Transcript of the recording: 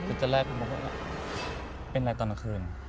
คุณจะแรกคุณบอกว่าเป็นอะไรตอนกลางคืน